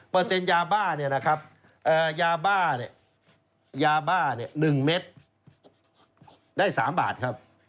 เปอร์เซ็นต์ยาบ้านะครับยาบ้า๑เม็ดได้๓บาทครับ